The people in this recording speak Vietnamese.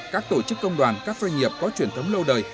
các tổ chức công đoàn các doanh nghiệp có truyền thống lâu đời